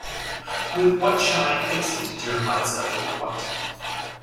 With what shall I fix it, dear Liza, with what?